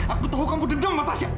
aku tahu kamu dengar mbak tasha